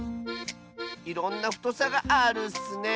いろんなふとさがあるッスね。